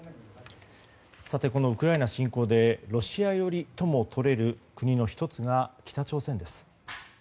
さて、ウクライナ侵攻でロシア寄りとも取れる国の１つが北朝鮮です。